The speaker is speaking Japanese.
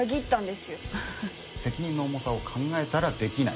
責任の重さを考えたらできない。